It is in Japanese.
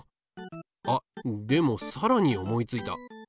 あでもさらに思いついた。